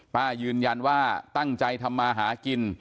ป้ายืนยันว่าตั้งใจทำมาหากิน